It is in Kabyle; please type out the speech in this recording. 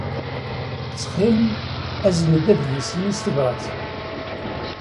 Ttxil-m, azen-d adlis-nni s tebṛat.